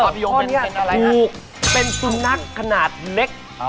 ปราภิโยงเป็นสุนัขขนาดเล็ก